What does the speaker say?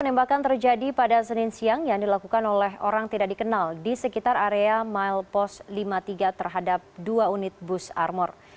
penembakan terjadi pada senin siang yang dilakukan oleh orang tidak dikenal di sekitar area milepost lima puluh tiga terhadap dua unit bus armor